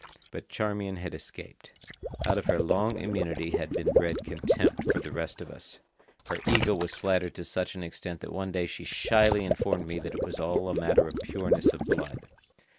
But Charmian had escaped. Out of her long immunity had been bred contempt for the rest of us. Her ego was flattered to such an extent that one day she shyly informed me that it was all a matter of pureness of blood.